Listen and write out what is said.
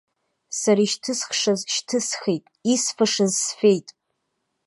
Сара ишьҭысхшаз шьҭысхит, исфашаз сфеит.